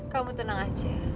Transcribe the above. kamu tenang aja